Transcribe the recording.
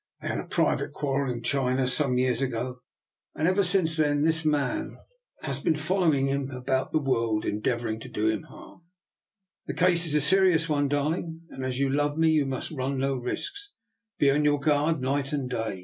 " They had a private quarrel in China some years ago, and ever since then this man has DR. NIKOLA'S EXPERIMENT. 297 been following him about the world endeav ouring to do him harm. The case is a serious one, darling, and as you love me you must run no risks. Be on your guard night and day.